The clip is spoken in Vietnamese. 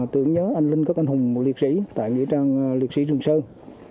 tưởng nhớ anh linh cất anh hùng một liệt sĩ tại nghĩa trang liệt sĩ trường sơn